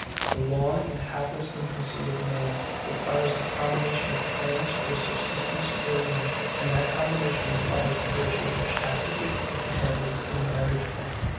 The long and helpless infancy of man requires the combination of parents for the subsistence of their young; and that combination requires the virtue of chastity or fidelity to the marriage bed.